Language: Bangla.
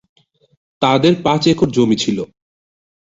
তাদের পাঁচ একর জমি ছিল।